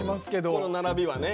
この並びはね。